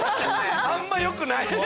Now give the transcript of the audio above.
あんまよくない。